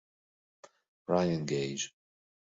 Ryan Gage